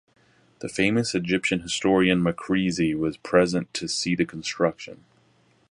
The famous Egyptian historian Maqrizi was present to see the construction.